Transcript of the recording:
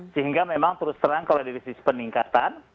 sehingga memang terus terang kalau dari sisi peningkatan